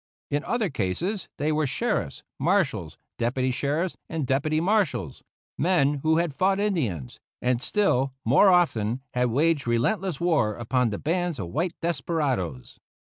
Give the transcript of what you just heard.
In other cases they were sheriffs, marshals, deputy sheriffs, and deputy marshals men who had fought Indians, and still more often had waged relentless war upon the bands of white desperadoes.